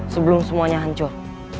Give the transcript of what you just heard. sebelum semuanya hancur